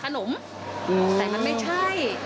หนูแต่มันไม่ใช่